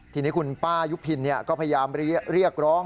ทีนี้คุณป้ายุพินก็พยายามเรียกร้อง